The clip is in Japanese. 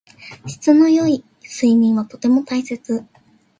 質の良い睡眠はとても大切。